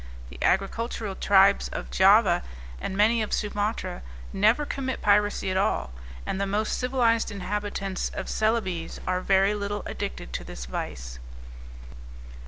The agricultural tribes of Java, and many of Sumatra, never commit piracy at all; and the most civilized inhabitants of Celebes are very little addicted to this vice.